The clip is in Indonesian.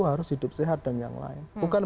harus hidup sehat dan yang lain bukan